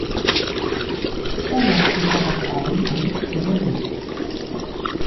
Er lässt sich darauf ein und überlebt.